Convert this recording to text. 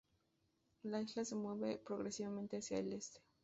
La isla se mueve progresivamente hacia el este.